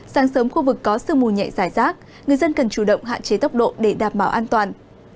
sáng sớm khu vực có sương mù nhẹ dài rác người dân cần chủ động hạn chế tốc độ để đảm bảo an toàn